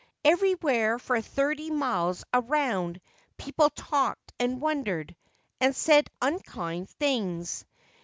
Everywhere for thirty miles round people talked and wondered, and said unkind things.